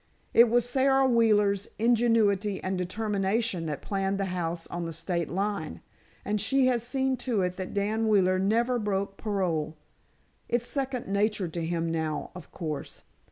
It was Sara Wheeler's ingenuity and determination that planned the house on the state line, and she has seen to it that Dan Wheeler never broke parole. It's second nature to him now, of course."